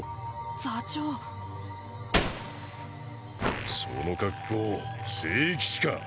座長その格好聖騎士か？